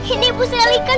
ini ibu selly kan